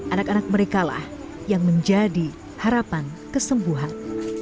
anak anak merekalah yang menjadi harapan kesembuhan